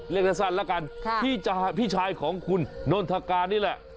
เรียกสั้นแล้วกันพี่ชายของคุณนนทการนี่แหละ